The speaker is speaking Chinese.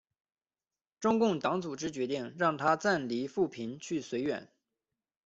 中共党组织决定让他暂离阜平去绥远。